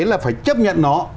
là phải chấp nhận nó